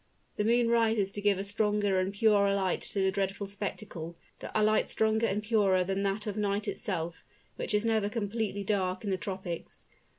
The moon rises to give a stronger and purer light to the dreadful spectacle, a light stronger and purer than that of night itself, which is never completely dark in the tropics.